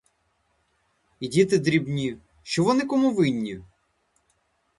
І діти дрібні, що вони кому винні?